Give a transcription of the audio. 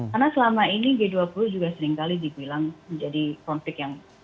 karena selama ini g dua puluh juga seringkali dibilang menjadi konflik yang